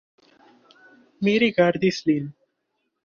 Mi rigardis lin.